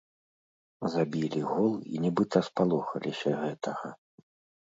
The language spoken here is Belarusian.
Забілі гол, і нібыта спалохаліся гэтага.